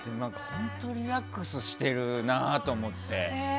本当にリラックスしてるなと思って。